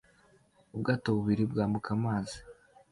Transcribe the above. Ubwato bubiri bwambuka amazi